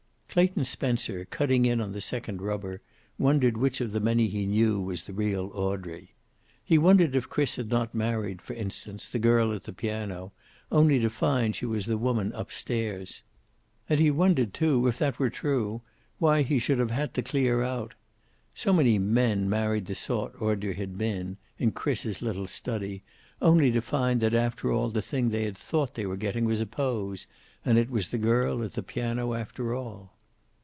Clayton Spencer, cutting in on the second rubber, wondered which of the many he knew was the real Audrey. He wondered if Chris had not married, for instance, the girl at the piano, only to find she was the woman upstairs. And he wondered, too, if that were true, why he should have had to clear out. So many men married the sort Audrey had been, in Chris's little study, only to find that after all the thing they had thought they were getting was a pose, and it was the girl at the piano after all.